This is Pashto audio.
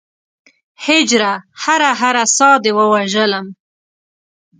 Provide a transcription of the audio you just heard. هجره! هره هره ساه دې ووژلم